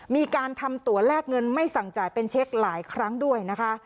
มีการทำตัวแลกเงินไม่สั่งจ่ายเป็นเช็คหลายครั้งด้วยนะคะ